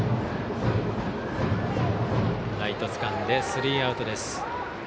ライトつかんでスリーアウトです。